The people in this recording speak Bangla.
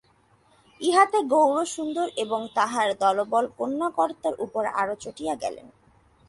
ইহাতে গৌরসুন্দর এবং তাঁহার দলবল কন্যাকর্তার উপর আরো চটিয়া গেলেন।